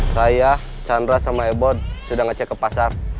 saya chandra sama ebon sudah ngecek ke pasar